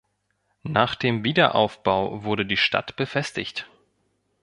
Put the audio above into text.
Nach dem Wiederaufbau wurde die Stadt befestigt.